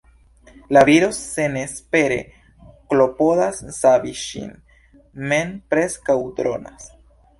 La viro senespere klopodas savi ŝin, mem preskaŭ dronas.